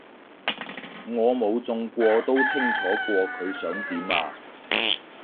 我冇中過都清楚過佢想點啊